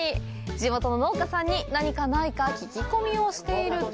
地元の農家さんに、何かないか聞き込みをしていると。